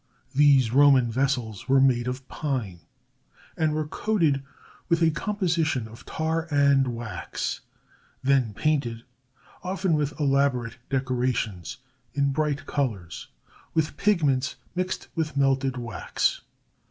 These Roman vessels were made of pine, and were coated with a composition of tar and wax, then painted, often with elaborate decorations in bright colors, with pigments mixed with melted wax.